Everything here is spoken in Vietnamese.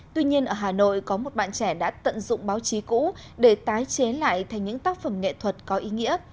tuy nhiên ở hà nội có một bạn trẻ đã tận dụng báo chí cũ để tái chế lại thành những tác phẩm nghệ thuật có ý nghĩa